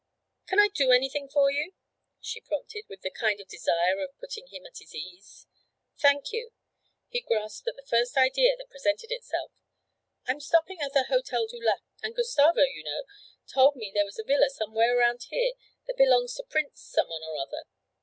'Can I do anything for you?' she prompted with the kind of desire of putting him at his ease. 'Thank you ' He grasped at the first idea that presented itself. 'I'm stopping at the Hotel du Lac, and Gustavo, you know, told me there was a villa somewhere around here that belongs to Prince Someone or Other.